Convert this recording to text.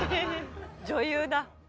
女優だ。